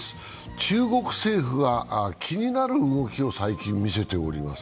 中国政府が気になる動きを最近見せております。